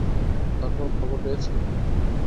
তারপর, খবর পেয়েছো?